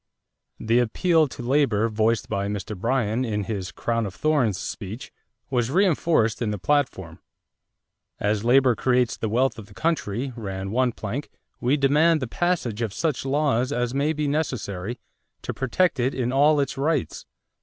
The appeal to labor voiced by Mr. Bryan in his "crown of thorns" speech was reinforced in the platform. "As labor creates the wealth of the country," ran one plank, "we demand the passage of such laws as may be necessary to protect it in all its rights."